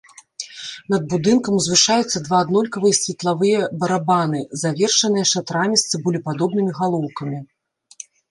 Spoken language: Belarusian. Над будынкам узвышаюцца два аднолькавыя светлавыя барабаны, завершаныя шатрамі з цыбулепадобнымі галоўкамі.